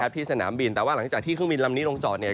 ที่สนามบินแต่ว่าหลังจากที่เครื่องบินลำนี้ลงจอดเนี่ย